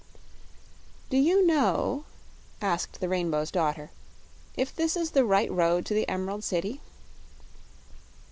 "Do you know," asked the Rainbow's Daughter, "if this is the right road to the Emerald City?"